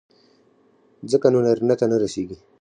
ځکه نو نارينه ته نه رسېږي.